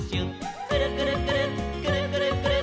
「くるくるくるっくるくるくるっ」